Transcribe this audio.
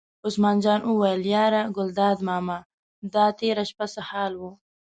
عثمان جان وویل: یاره ګلداد ماما دا تېره شپه څه حال و.